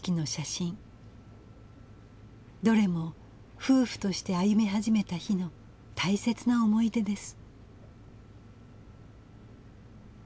どれも夫婦として歩み始めた日の大切な思い出です。